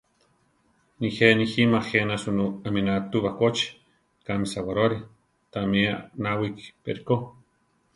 Nijé nijíma jéna sunú aminá tu bakóchi, kami Sawaróri, támi anáwiki pe ríko.